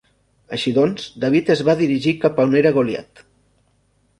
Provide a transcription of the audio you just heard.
Així doncs, David es va dirigir cap on era Goliat.